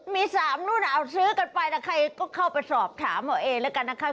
มี๓นู่นเอาซื้อกันไปแต่ใครก็เข้าไปสอบถามเอาเองแล้วกันนะคะ